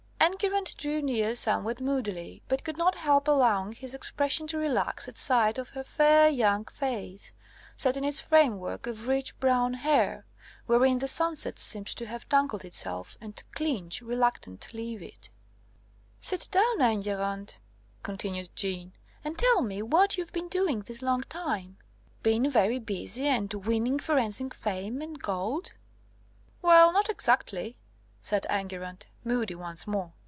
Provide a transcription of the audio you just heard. Enguerrand drew near somewhat moodily, but could not help allowing his expression to relax at sight of her fair young face, set in its framework of rich brown hair, wherein the sunset seemed to have tangled itself and to cling, reluctant to leave it. "Sit down, Enguerrand," continued Jeanne, "and tell me what you've been doing this long time. Been very busy, and winning forensic fame and gold?" "Well, not exactly," said Enguerrand, moody once more.